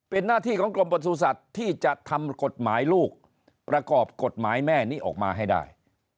เป็นหน้าที่ของกรมประสุทธิ์ที่จะทำกฎหมายลูกประกอบกฎหมายแม่นี้ออกมาให้ได้